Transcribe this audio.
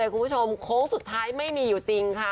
คงสุดท้ายไม่มีอยู่จริงค่ะ